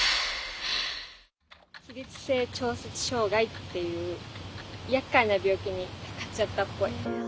「起立性調節障害っていうやっかいな病気にかかっちゃったっぽい」。